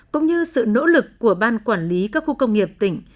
cũng như sự nỗ lực của ban quản lý các khu công nghiệp tỉnh